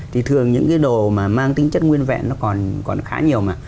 thì thường những cái đồ mà mang tính chất nguyên vẹn nó còn còn khá nhiều mà